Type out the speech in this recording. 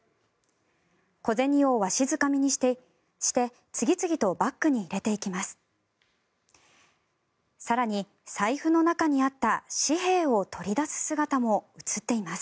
小銭をわしづかみにして次々とバッグに入れていきます。